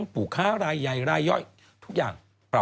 พี่ไปหรือยังค่ะ